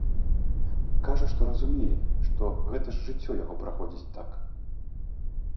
Кажа, што разумее, што гэта ж жыццё яго праходзіць так.